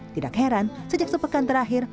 tidak heran sejak sepekan terakhir